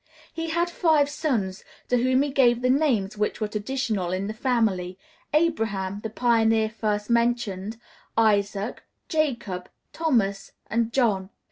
He had five sons, to whom he gave the names which were traditional in the family: Abraham, the pioneer first mentioned, Isaac, Jacob, Thomas, and John.